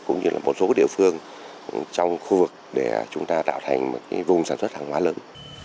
cũng như là một số địa phương trong khu vực để chúng ta tạo thành một vùng sản xuất hàng hóa lớn